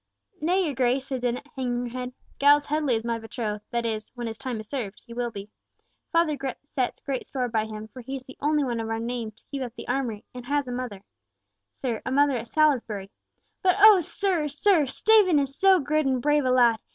"Nay, your Grace," said Dennet, hanging her head, "Giles Headley is my betrothed—that is, when his time is served, he will be—father sets great store by him, for he is the only one of our name to keep up the armoury, and he has a mother, Sir, a mother at Salisbury. But oh, Sir, Sir! Stephen is so good and brave a lad!